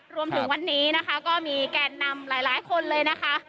รวมถึงวันนี้นะคะก็มีแกนนำหลายคนเลยนะคะ